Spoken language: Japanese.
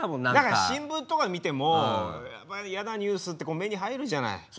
何か新聞とか見てもやっぱり嫌なニュースって目に入るじゃない。